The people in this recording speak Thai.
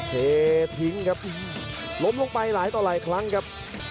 เททิ้งครับล้มลงไปหลายต่อหลายครั้งครับ